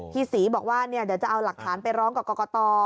พี่ศรีบอกว่าเดี๋ยวจะเอาหลักฐานไปร้องกับกรกต